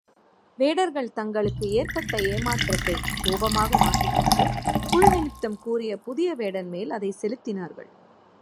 வேடர்கள் தங்களுக்கு ஏற்பட்ட ஏமாற்றத்தைக் கோபமாக மாற்றிக்கொண்டு, புள்நிமித்தம் கூறிய முதிய வேடன்மேல் அதைச் செலுத்தினார்கள்.